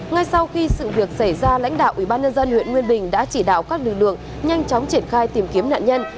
ngay sau khi sự việc xảy ra lãnh đạo ubnd huyện nguyên bình đã chỉ đạo các lực lượng nhanh chóng triển khai tìm kiếm nạn nhân